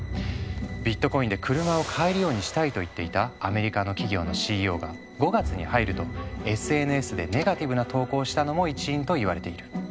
ビットコインで車を買えるようにしたいと言っていたアメリカの企業のＣＥＯが５月に入るとＳＮＳでネガティブな投稿をしたのも一因といわれている。